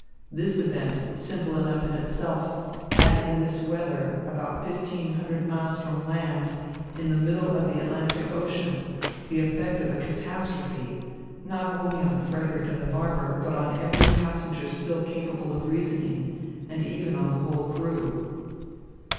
This event, simple enough in itself, had in this weather, about fifteen hundred miles from land, in the middle of the Atlantic Ocean, the effect of a catastrophe, not only on Frederick and the barber, but on every passenger still capable of reasoning, and even on the whole crew.